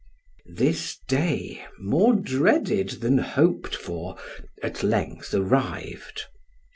This day, more dreaded than hoped for, at length arrived.